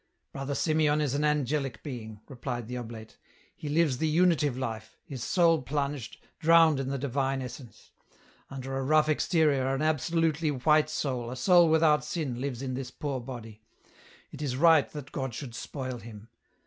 " Brother Simeon is an angelic being," replied the oblate. " He lives the Unitive life, his soul plunged, drowned in the divine essence. Under a rough exterior an absolutely white soul, a soul without sin, lives in this poor body ; it is right that God should spoil him